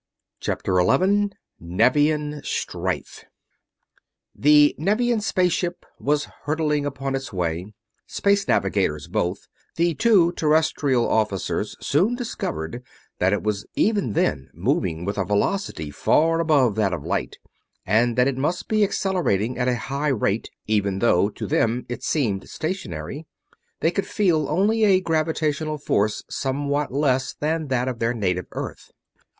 CHAPTER 11 NEVIAN STRIFE The Nevian space ship was hurtling upon its way. Space navigators both, the two Terrestrial officers soon discovered that it was even then moving with a velocity far above that of light and that it must be accelerating at a high rate, even though to them it seemed stationary they could feel only a gravitational force somewhat less than that of their native Earth.